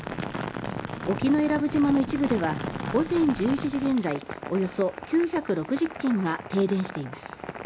沖永良部島の一部では午前１１時現在およそ９６０軒が停電しています。